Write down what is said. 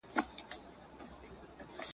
زاهد واوریده ږغونه